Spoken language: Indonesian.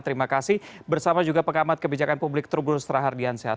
terima kasih bersama juga pengamat kebijakan publik terugur setara hardian sehat